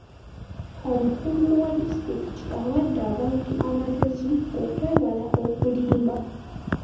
Omukungu wa disitulikiti awadde abantu amagezi okwewala okulimba.